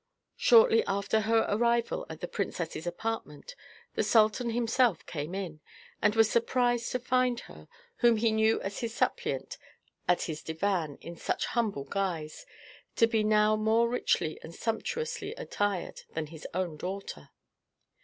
Shortly after her arrival at the princess's apartment, the sultan himself came in, and was surprised to find her, whom he knew as his suppliant at his divan in such humble guise, to be now more richly and sumptuously attired than his own daughter.